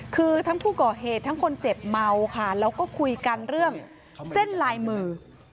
คือทั้งผู้ก่อเหตุทั้งคนเจ็บเมาค่ะแล้วก็คุยกันเรื่องเส้นลายมือ